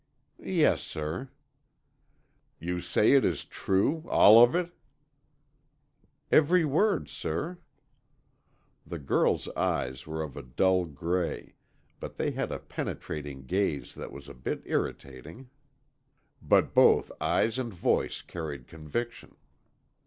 "Yes, sir." "You say it is true—all of it?" "Every word, sir." The girl's eyes were of a dull gray, but they had a penetrating gaze that was a bit irritating. But both eyes and voice carried conviction.